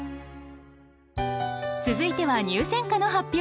続いては入選歌の発表。